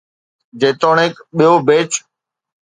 جيتوڻيڪ ٻيو بيچ.